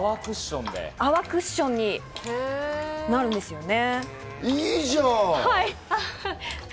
泡クッションになるんですよね。